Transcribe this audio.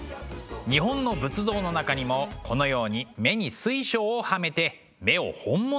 日本の仏像の中にもこのように目に水晶をはめて目を本物らしく見せる技法があります。